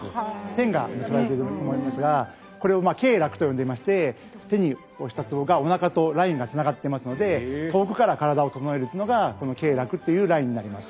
線が結ばれてると思いますがこれを経絡と呼んでいまして手に押したツボがおなかとラインがつながってますので遠くから体を整えるっていうのがこの経絡っていうラインになります。